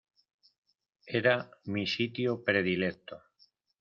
Era mi sitio predilecto.